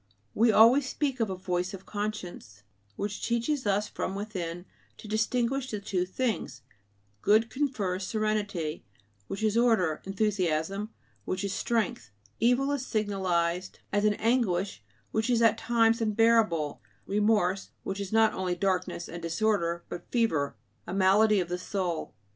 We always speak of a "voice of conscience" which teaches us from within to distinguish the two things: good confers serenity, which is order; enthusiasm, which is strength; evil is signalized as an anguish which is at times unbearable: remorse, which is not only darkness and disorder, but fever, a malady of the soul.